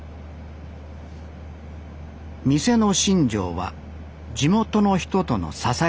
店の信条は地元の人との支え合い。